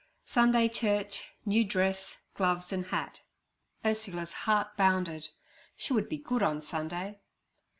Sunday—church—new dress—gloves and hat: Ursula's heart bounded; she would be good on Sunday.